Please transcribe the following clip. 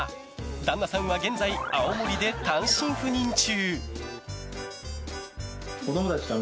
旦那さんは現在青森で単身赴任中。